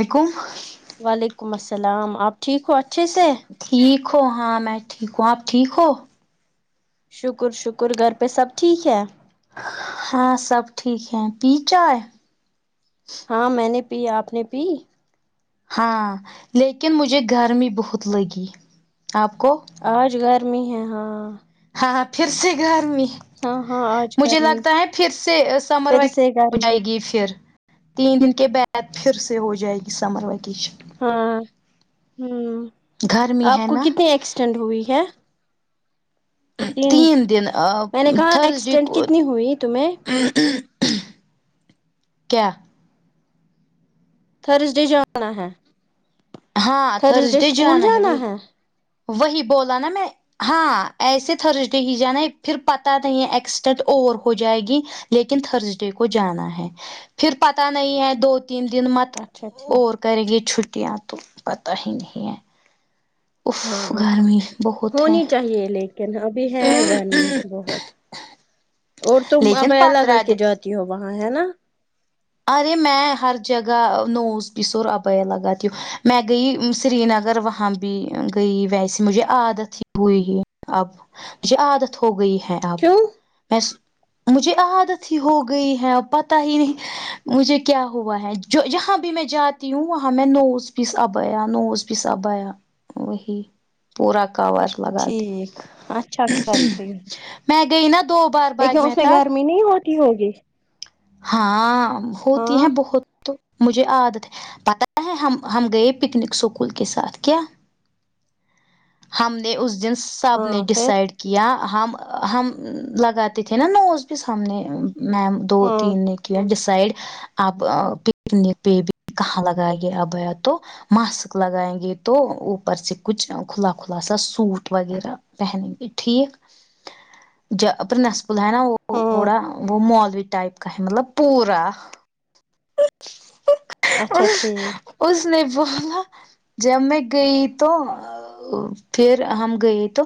آکوم وعلیکم السلام آپ ٹھیک ہو اچھے سے ٹھیک ہو ہاں میں ٹھیک ہوں آپ ٹھیک ہو شکر شکر گھر پہ سب ٹھیک ہے ہاں سب ٹھیک ہے پی چائے ہاں میں نے پی آپ نے پی ہاں لیکن مجھے گرمی بہت لگی آپ کو آج گرمی ہے ہاں ہاں پھر سے گرمی ہاں ہاں آج مجھے گرمی لگتا ہے پھر سے سمر پھر وے کے سے ہو گرمی جائے گی پھر تین دن کے بعد پھر سے ہو جائے گی سمر ویکیشن ہاں ہوں گرمی آپ ہے کو نا کتنی ایکسٹینڈ ہوئی ہے تین دن ا میں نے کہا تھرسڈے ایکسیڈنٹ کو کتنی ہوئی تمہیں کیا تھرزڈے جانا ہے ہاں تھرزڈے تھرسڈے اسکول جانا وہی ہے وہی بولا نا میں ہاں ایسے تھرزڈے ہی جانا ہے پھر پتا نہیں ہے ایکسیڈینٹ اور ہو جائے گی لیکن تھرسڈے کو جانا ہے پھر پتا نہیں ہے دو تین دن مت اچھا ٹھیک کرے گی یہ چھٹییاں پتا ہی نہیں ہے اف ہاں گرمی بہت ہے ہونی چاہیے لیکن ابھی ہے گھر میں بہت اور تم اب لیکن ال الگ پندرہ کے دن جاتی ہو وہاں ہے نا ارے میںی ہر جگہ نوز پس اور ابیا ال لگاتی ہو م میں گئی سری نگر وہاں بھی بھی گئی ویسے مجھے عادت ہی ہوئی ہے اب مجھے عادت ہو گئی ہے اب کیوں میں مجھے عادت ہی ہو گئی ہے اب پت ہی نہیں مجھے کیا ہوا ہے جو جہاں بھی میں جاتی ہوں وہاں میں نوز پیس آبیا نوز نو سپیس عبایا وہی پورا کور لگا دی ٹھیک اچھا کرتی ہوں میں گئی نا دو بار لیکن باغ اس میں مہتاب گرمی نہیں ہوتی ہوگی ہاں ہوتی ہاں ہے بہت تو مجھے عادت ہے پتا ہے ہم ہم گئے پکنک اسکول کے ساتھ کیا ہم نے اس دن سب نے ہاں پھر ڈسائڈ کیا کیا ہم ہم لگاتے تھے نا نوز پس ہم نے میم دو ہاں تین نے کیا ڈسائڈ اب پکنک پہ بھی کہاں لگا گے ابیا تو ماسک لگائیں گے تو اوپر سے کچھ کھلا کھلا سا سوٹ وغیرہ بہن گے ٹھیک ج اپرنا سکول ہے نا وہ ہاں تھوڑا وہ مولوی ٹائپ کا ہے مطلب پورا اچھا اس ٹھیک اس نے بولا جب میں گئی تو پھر ہم گئے تو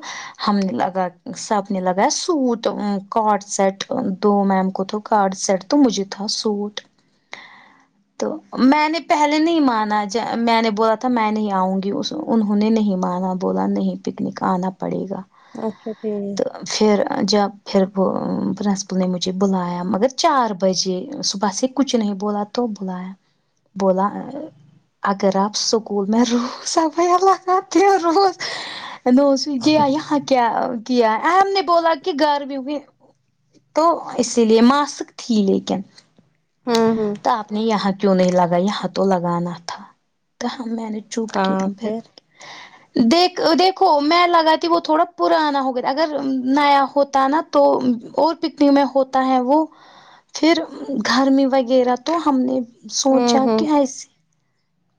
ہم نے لگا سب نے لگا سوٹ کاڈ سیٹ دو میم کو تھو کاڈ سیٹ تو مجھے تھا سوٹ تو میں نے پہلے نہیں مانا میں نے بولا تھا میں نہیں آؤں گی اس انہوں نے نہیں مانا بولا نہیں پکنک آنا پڑے گا اچھا ٹھیک تو پھر جب پھر وہ پرنسپل نے مجھے بلایا مگر چار بجے صبح س کچ کچھ نہیں بولا تو بولا ہے بولا اگر آپ سکول میں روز ابیا ہال کرتی ہو روز ہیلو سو گیا یہاں کیا کی یا ام نے بولا کہ گھر میں بھی تو اسی لیے ماسک تھی لیکن ہوں ہوں تو آپ نے یہاں کیوں نہیں لگا یہاں تو لگانا تھا توا میں نے چپ کیا پھر دیکھ دیکھو میں لگا ت وہ تھوڑا پرانا ہو گیا اگر نیا ہوتا نا تو اور پکنک میں ہوتا ہے وہ پھر گھر میں وغیرہ تو ہم نے ہوں سوچا کہ ہوں ایسے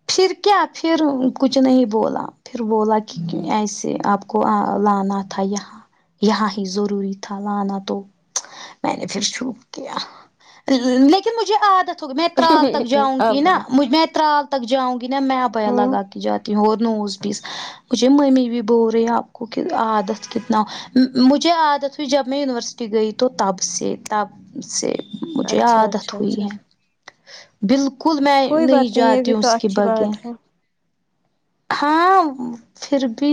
پھر کیا پھر کچھ نہیں بولا پھر بولا کیا کی ایسے آپ کو لانا تھا یہاں یہاں ہی ضروری تھا لانا تو میں نے پھر چوپ کیا لیکن کہ مجھے عادت ہوگی میں ترال تک جاؤں گی اب نا میں ترال تک جاؤں گی نا میں ابیا ہوں لگا کے جاتی ہوں اور نوز پیس مجھے ممی بھی بول رہی ہے آپ کو کہ عادت کتنا مجھے عادت ہوئی جب میں یونیورسٹی گئی تو تب سے تب سے مجھے اچھا عادت اچھا ہوئی اچھا ہے بالکل میں کوئی نہیں بات یہ جاتی بھی ہوں تو اس کے اچھی بغیر بات ہے ہاں پھر بھی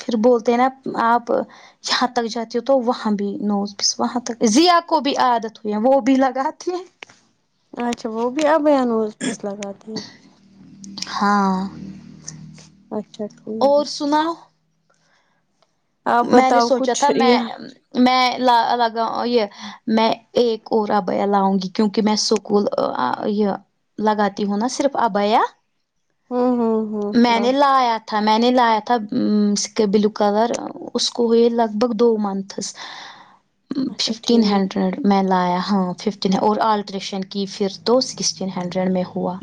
پھر بولتے ہیں نا آپ یہاں تک جاتی تو وہاں بھی نوس وہاں تک ضیا کو بھی عادت ہوئی ہے وہ بھی لگاتی ہیں اچھا وہ بھی ابھی نوس پیس لگاتی ہے ہاں اچھا ٹھیک اور سناؤ آپ میں نے بتاؤ سوچا تھا کچھ میں یہ میں لا لگاؤں یہ میں ایک اور ابیا لاؤں گی کیونکہ میں سکول یہ لگاتی ہوں نا صرف عبایا ہوں ہوں ہوں میں ہاں نے لایا تھا میں نے لایا تھا اس کے بلو کلر اس کو ہوئے لگ بھگ دو منتھس اچھا ففٹین ٹھیک ہنڈریڈ میں لایا ہاں ففٹین اور آلٹریشن کی پھر تو سکسٹین ہنڈریڈ میں ہوا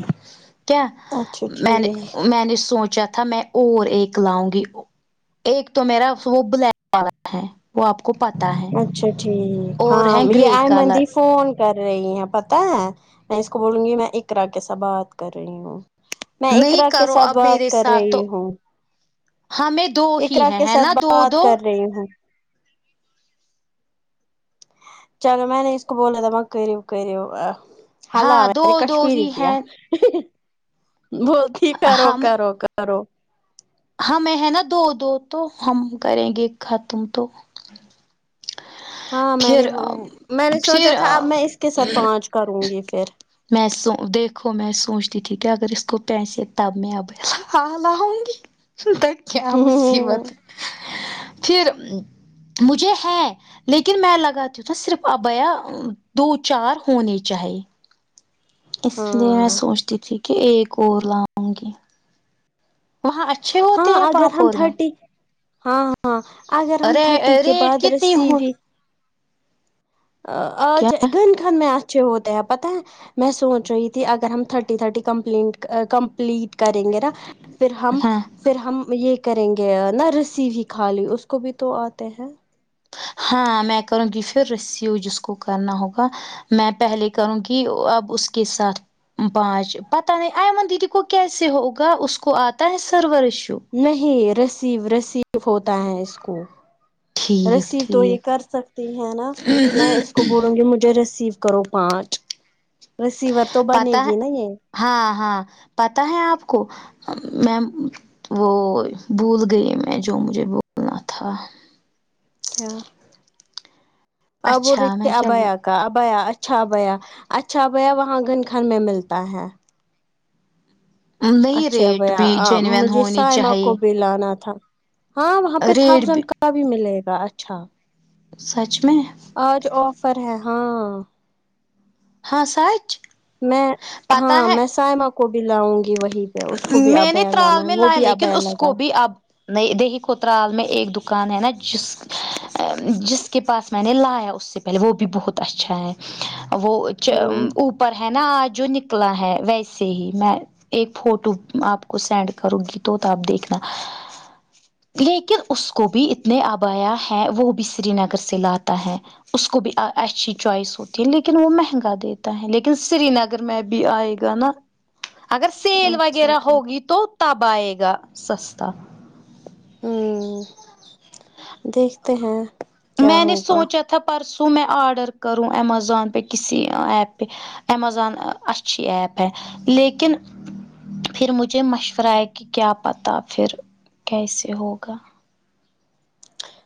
کیا اچھا میں نے ٹھیک میں نے سوچا تھا میں اور ایک لاؤں گی ایک تو میرا وہ بلیک والا ہے وہ آپ کو پتا ہے اچھا ٹھیک اور ہاں ہے یہ گرے آئے کلر مندی فون کر رہی ہیں پتا ہے میں اس کو بولوں گی میں اقرا کےسا تھ بات کر رہی ہوں میں نہیں اقرا کے کرو ساتھ اب بات میرے کر ساتھ تو رہی ہوں ہمیں دو ہی اقرا ہے کے ہے ساتھ نا دو بات دو کر رہی ہوں چلو میں نے اس کو بولا تھا مک ہال ہاں میں دو نے دو کشمیری ہی کیا ہے بولتی ہے کرو ہم کرو کرو ہمیں ہے نا دو دو تو ہم کریں گے ختم تو ہاں میں نے پھر میں نے سوچا تھا اب پھر میں اس کے ساتھ پانچ کروں گی پھر میں سو دیکھو میں سوچتی تھی کہ اگر اس کو پیسے تب میں اب ہوں گی تک کیا مصیبت پھر مجھے ہے لیکن میں لگا تی ہوں صرف ابیا دو چار ہونے چاہیے اس لیے میں ہاں سوچتی تھی کہ ایک اور لاؤں گی وہاں اچھے ہاں ہوتے ہیں اگر ہم پاپور میں تھرٹی ہاں ہاں اگر ہم ارے تھرٹی کے ریٹ بعد کتنی رسی ہو بھی کیا آج گند کان میں اچھے ہوتے ہیں پتہ ہے میں سوچ رہی تھی اگر ہم تھرٹی تھرٹی کمپ کمپلیٹ کریں گے نا پھر ہم ہاں پھر ہم یہ کریں گے نہ رسیو ہی خالی اس کو بھی تو آتے ہیں ہاں میں کروں گی پھر رسیو جس کو کرنا ہوگا میں پہلے کروں گی اب اس کے ساتھ پانچ پتا نہیں آئمن دیدی کو کیسے ہوگا اس کو آتا ہے سرور ایشو نہیں رسیو رسیو ہوتا ہے اس کو ٹھیک ریسیو تو یہ ٹھیک کر سکتی ہے نا میں اس کو بولوں گی مجھے ریسیو کرو پانچ ریسیور تو بنے پتہ ہے گی نا یہ ہاں ہاں پتا ہے آپ کو میں وہ بھول گئی میں جو مجھے بولنا تھا کیا آپ بول رہی اچھا تھی میں کیا ابیا بول ابیا اچھا ابیا اچھا ا بھیا وہاں گن خن میں ملتا ہے نہیں اچھا ریٹ بھی ابیا جینون مجھے ہونی سائمہ کو چاہیے بھی لانا تھا ہاں وہاں پہ تھاؤزینڈ کا بھی ملے گا اچھا سچ میں آج آفر ہے ہاں ہاں سچ میں ہاں پتہ ہے میں سائمہ کو بھی لاؤں گی وہی میں نے ترال میں لایا لیکن اس لگا کو بھی اب نا دیہی کووترال میں ایک دکان ہے نا جس جس کے پاس میں نے لایا اس سے پہلے وہ بھی بہت اچھا ہے وہ ہوں اوپر ہے نا آج جو نکلا ہے ویسے ہی میں ایک فوٹو آپ کو سینڈ کرو گی تو تب آپ دیکھنا لیکن اس کو بھی اتنے آبایا ہیں وہ بھی سری نگر سے لاتا ہے اس کو بھی اچھی چوائس ہوتی ہے لیکن وہ مہنگا دیتا ہے لیکن سری نگر میں بھی آئے گا نا اگر سیل اچھا وغیرہ ٹھیک ہوگی تو تب آئے گا سستا ہوں دیکھتے ہیں کیا میں نے ہوگا سوچا تھا پرسوں میں آڈر کروں امیزون پہ کسی ایپ پہ امیزون اچھی ایپ ہے لیکن پھر مجھے مشورہ ہے کہ کیا پتاہ پھر کیسے ہوگا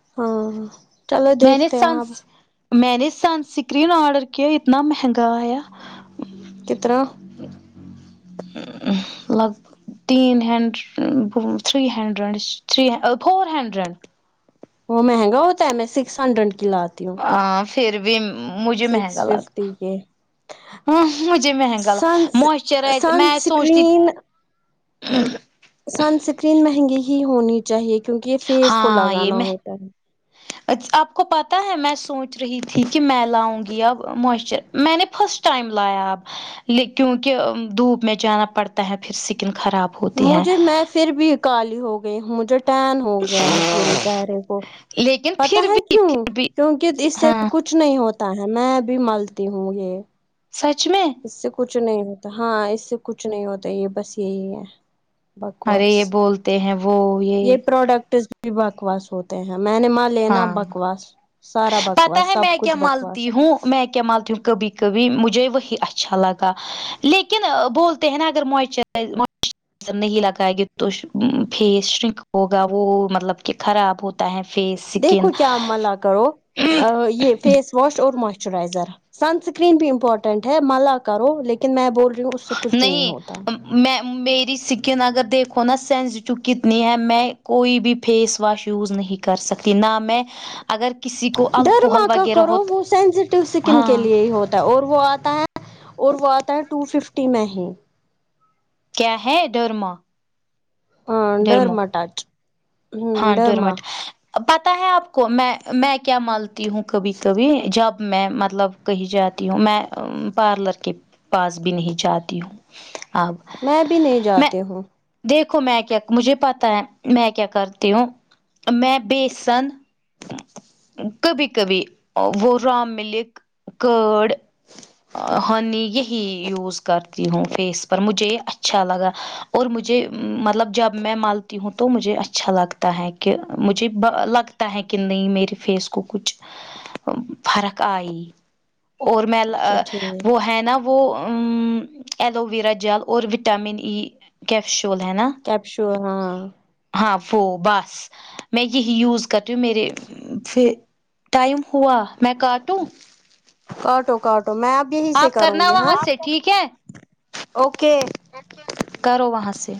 ہاں چلو میں نے دیکھتے ہیں سن آپ میں نے سن سکرین آرڈر کیا اتنا مہنگا آیا کتنا لگ تین hundred three hundred three four hundred وہ مہنگا ہوتا ہے میں سکس ہنڈریڈ کی لات آ پھر بھی مجھے سکس مہنگا لگا ففٹی کے ہاں مجھے مہنگا سن موئسچرائز سن میں آ سوچتی اسکرین سنسکریم مہنگی ہی ہونی چاہیے کیونکہ یہ فیس کو ہاں یہ لگانا میں ہوتا ہے آپ کو پتاہ ہے میں سوچ رہی تھی کہ میں لاؤں گی اب موسچر میں نے فسٹ ٹائم لایا اب لے کیونکہ دھوپ میں جانا پڑتا ہے پھر سکن خراب ہوتی ہے مجھے میں پھر بھی کالی ہو گئی مجھے ٹین ہو گیا ہے پورے چہرے کو لیکن پتا پھر ہے بھی کیوں پھر بھی کیونک اس سے ہاں کچھ کچھ نہیں ہوتا ہے میں بھی ملتی ہوں یہ سچ میں اس سے کچھ نہیں ہوتا ہاں اس سے کچھ نہیں ہوتا یہ بس یہی ہے ارے بکواس یہ بولتے ہیں وہ یہ پرروڈکٹس بھی بکواس ہوتے ہیں میں نے مان لینا ہاں بکواس سارا پتا بکواس ہے سب میں کیا کچھ بکواس مالتی ہوں میں کیا مالتی ہوں کبھی کبھی مجھے وہی اچھا لگا لیکن بولتے ہیں نا اگر موچ مو نہیں لگائے گے تو فیس شرنک ہوگا وہ مطلب کہ خراب ہوتا ہے فیس سکن دیکھو کیا ملا کرو یہ فیس واش اور موش چائزر سنسکرین بھی امپورٹینٹ ہے مالا کرو لیکن میں بول رہی ہوں اس سے کچھ ہوتا نہیں ہے میں میری سکن اگر دیکھوں نا سینسٹیو کتنی ہے میں کوئی بھی فیس واش یوز نہیں کر سکتی نہ میں اگر کسی کو ڈرما الکوحل کا وغیرہ ہو کرو وہ سینسیٹیو اسکن کے ہاں لیے ہی ہوتا اور وہ آتا ہے اور وہ آتا ہے ٹو ففٹی میں ہی کیا ہے ڈرما ہاں ڈرمو ڈرما ٹچ ہ ہاں ڈر ڈرما مٹ پتا ہے اپ کو میں میں کیا مالتی ہوں کبھی کبھی جب میں مطلب کہی جاتی ہوں میں پلر کے پاس بھی نہیں جاتی ہوں میں بھی نہیں اپ میں جاتی ہوں دیکھو میں کیا مجھے پتا ہے میں کیا کر تی ہوں میں بھی سنس کبھی کبھی وہ رام ملک گڈ ہنی یہی روز کرتی ہوں فیس پر مجھے اچھا لگا اور مجھے مطلب جب میں ملتی ہوں تو مجھے اچھا لگتا ہے ہے کہ مجھے لگتا ہے کہ نہیں میرے فیس کو کچھ فرق ائی اور میں اچھا ٹھیک وہ ہے نا وہ امم ایلو ویرا جل اور وٹامن ای کیپشول ہے نا کیپشول ہاں ہاں وہ بس میں یہی یوز کرتیی ہوں میرے فے ٹائم ہوا میں کاٹوں کاٹو کاٹو میں اب یہیں سے آپ کروں کرنا گی ہاں وہاں سے ٹھیک ہے اوکے کرو وہاں سے